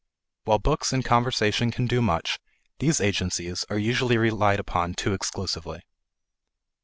While books and conversation can do much, these agencies are usually relied upon too exclusively.